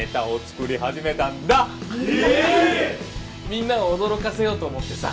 みんなを驚かせようと思ってさ。